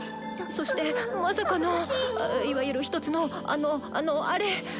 そしてまさかのあいわゆる一つのあのあのあれ！